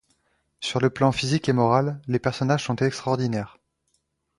Sur le plan physique et moral, les personnages sont extraordinaires.